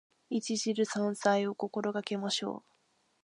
一汁三菜を心がけましょう。